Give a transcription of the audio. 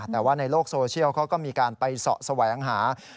แต่ว่าในโลกโซเชียลเขาก็มีการไปเสาะแสวงหา